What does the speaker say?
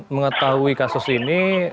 mengetahui kasus ini